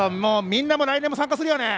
みんなも来年も参加するよね！